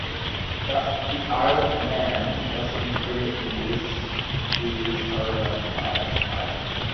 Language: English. The Isle of Man was included in with these southern isles.